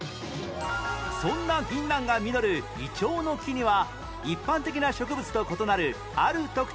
そんな銀杏が実るイチョウの木には一般的な植物と異なるある特徴があります